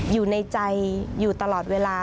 อยู่ในใจอยู่ตลอดเวลา